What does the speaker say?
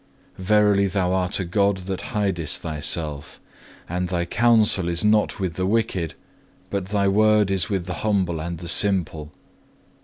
Verily Thou art a God that hidest Thyself, and Thy counsel is not with the wicked, but Thy Word is with the humble and the simple.